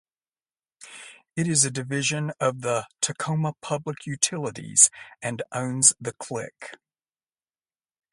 It is a division of the Tacoma Public Utilities and owns the Click!